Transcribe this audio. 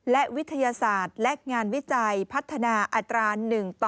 และวิทยาศาสตร์และงานวิจัยพัฒนาอัตรา๑๘